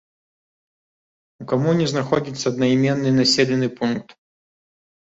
У камуне знаходзіцца аднайменны населены пункт.